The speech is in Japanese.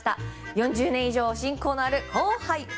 ４０年以上親交のある後輩